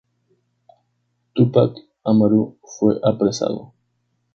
Túpac Amaru fue apresado.